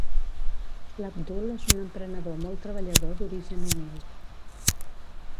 L'Abdul és un emprenedor molt treballador d'origen humil.